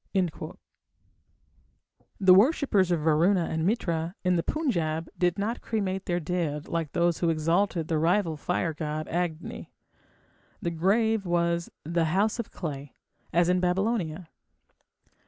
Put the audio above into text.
The worshippers of Varuna and Mitra in the Punjab did not cremate their dead like those who exalted the rival fire god Agni. The grave was the "house of clay", as in Babylonia.